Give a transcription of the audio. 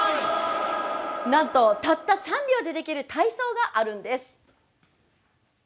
なんとたった３秒でできる体操があるんです。